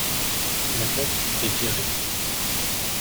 L’attaque était directe.